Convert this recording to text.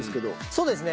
そうですね。